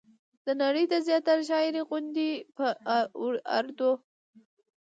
د نړۍ د زياتره شاعرۍ غوندې په اردو